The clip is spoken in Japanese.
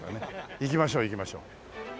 行きましょう行きましょう。